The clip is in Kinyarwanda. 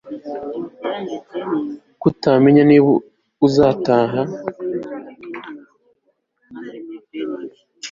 kutamenya niba azataha